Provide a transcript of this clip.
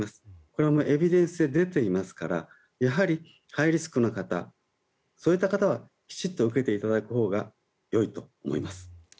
これはエビデンスで出ていますからやはりハイリスクな方そういった方はきちっと受けていただくほうがよいと思います。